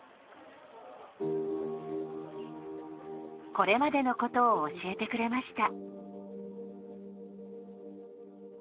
これまでのことを教えてくれました。